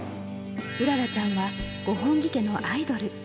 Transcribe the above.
麗ちゃんは五本木家のアイドル。